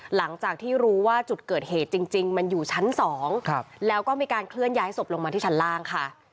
หลังจากที่รู้ว่าจุดเกิดเหตุจริงมันอยู่ชั้น๒แล้วก็มีการเคลื่อนย้ายศพลงมาที่ชั้นล่างค่ะ